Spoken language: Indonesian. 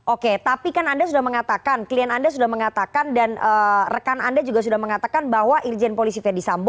oke tapi kan anda sudah mengatakan klien anda sudah mengatakan dan rekan anda juga sudah mengatakan bahwa irjen polisi ferdisambo